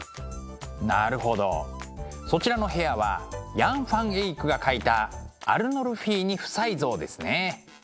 なるほどそちらの部屋はヤン・ファン・エイクが描いた「アルノルフィーニ夫妻像」ですね。